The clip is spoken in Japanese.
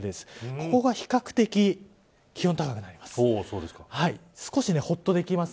ここが比較的気温高くなります。